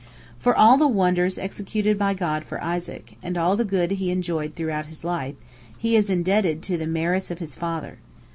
For all the wonders executed by God for Isaac, and all the good he enjoyed throughout his life, he is indebted to the merits of his father.